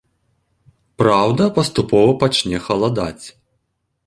Праўда, паступова пачне халадаць.